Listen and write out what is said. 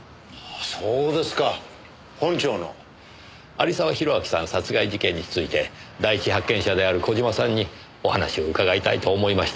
有沢広明さん殺害事件について第一発見者である小島さんにお話を伺いたいと思いまして。